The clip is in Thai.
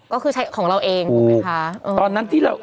ก็คือใช้ของเราเองถูกไหมคะ